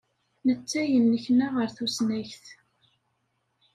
Netta yennekna ɣer tusnakt.